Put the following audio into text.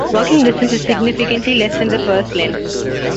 Working distance is significantly less than the first lens.